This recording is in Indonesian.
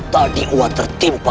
tadi aku tertimpa